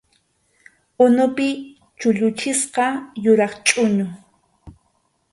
Unupi chulluchisqa yuraq chʼuñu.